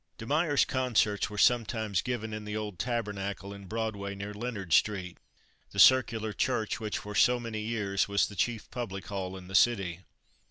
De Meyer's concerts were sometimes given in the old Tabernacle in Broadway, near Leonard Street, the circular church which for so many years was the chief public hall in the city.